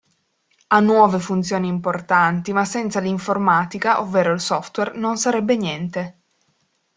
Ha nuove funzioni importanti ma senza l'informatica ovvero il software non sarebbe niente.